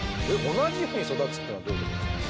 同じように育つってのはどういうことですか？